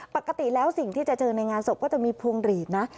ปกติแล้วสิ่งที่จะเจอในงานศพก็จะมีพวงหลีดนะ